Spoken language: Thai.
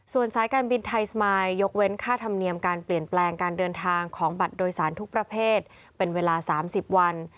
ส่วนสายการบินไทยสมายยกเว้นค่าธรรมเนียมการเปลี่ยนแปลงการเดินทางของบัตรโดยสารทุกประเภทเป็นเวลา๓๐วัน